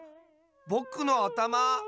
ぼくのあたま！